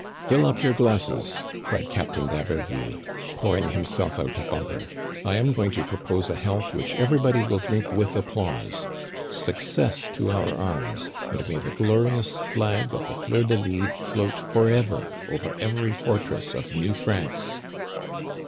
"Fill up your glasses," cried Captain d'Haberville, pouring himself out a bumper. " I am going to propose a health which everybody will drink with applause :* Success to our arms ; and may the glorious flag of the fleur de lys float forever over every fortress of New France